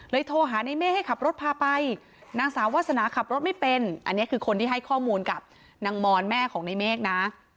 โทรหาในเมฆให้ขับรถพาไปนางสาววาสนาขับรถไม่เป็นอันนี้คือคนที่ให้ข้อมูลกับนางมอนแม่ของในเมฆนะ